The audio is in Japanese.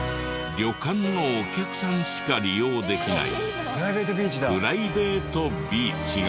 旅館のお客さんしか利用できないプライベートビーチが！